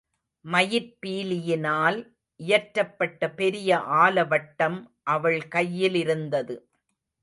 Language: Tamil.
மயிற் பீலியினால் இயற்றப்பட்ட பெரிய ஆலவட்டம் அவள் கையிலிருந்தது.